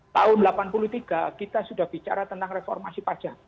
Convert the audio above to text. tahun seribu sembilan ratus delapan puluh tiga kita sudah bicara tentang reformasi pajak